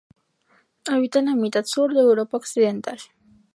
Habita en la mitad sur de Europa occidental.